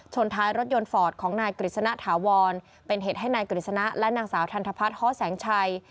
ท้ายรถยนต์ฟอร์ดของนายกฤษณะถาวรเป็นเหตุให้นายกฤษณะและนางสาวทันทพัฒน์ฮ้อแสงชัย